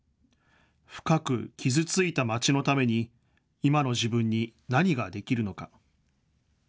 深く傷ついた街のために、今の自分に何ができるのか。